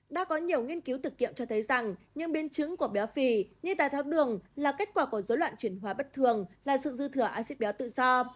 đã có nhiều nghiên cứu thực kiệm cho thấy rằng những biên chứng của béo phì như đai thác đường là kết quả của dối loạn chuyển hóa bất thường là sự dư thừa axit béo tự do